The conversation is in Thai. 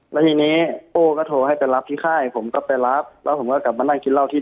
หลังนี้ก็โทรให้ไปรับที่ค่ายผมก็ไปรับแล้วขับมาตามที่รอดที่